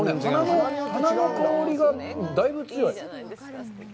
花の香りがだいぶ強い。